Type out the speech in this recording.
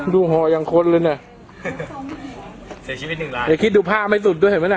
ห่อยังคนเลยน่ะเสียชีวิตหนึ่งล้านอย่าคิดดูผ้าไม่สุดด้วยเห็นไหมน่ะ